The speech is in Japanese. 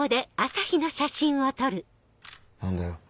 何だよ。